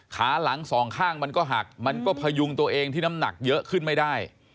ขาหลังสองข้างมันก็หักมันก็พยุงตัวเองที่น้ำหนักเยอะขึ้นไม่ได้